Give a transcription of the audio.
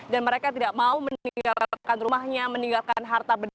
dan mereka tidak mau meninggalkan rumahnya meninggalkan harta